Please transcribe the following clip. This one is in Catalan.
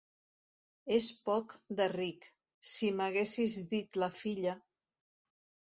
És poc de ric… Si m’haguessis dit la filla!